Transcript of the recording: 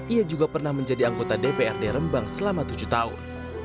ia juga pernah menjadi anggota dprd rembang selama tujuh tahun